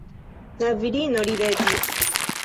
La virino ridetis.